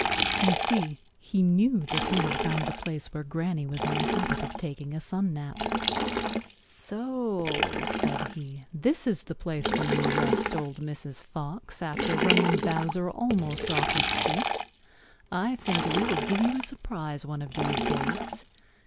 You see, he knew that he had found the place where Granny was in the habit of taking a sun nap. "So," said he, "this is the place where you rest, Old Mrs. Fox, after running Bowser almost off his feet. I think we will give you a surprise one of these days.